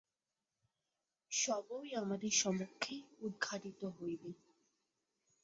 সবই আমাদের সমক্ষে উদ্ঘাটিত হইবে।